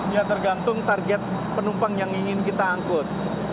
ya tergantung target penumpang yang ingin kita angkut